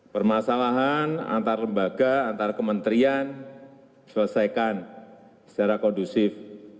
permasalahan antar lembaga antar kementerian selesaikan secara kondusif